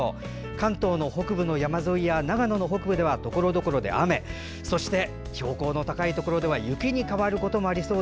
関東の北部の山沿いや長野県の北部ではところどころで雨が降り標高の高いところでは雪に変わることもあるでしょう。